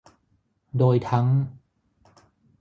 โดยทั้ง